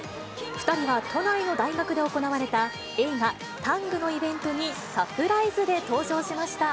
２人は都内の大学で行われた、映画、タングのイベントにサプライズで登場しました。